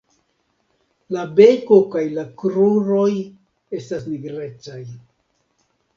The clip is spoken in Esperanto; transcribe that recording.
La beko kaj la kruroj estas nigrecaj.